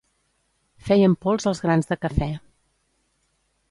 Fèiem pols els grans de cafè.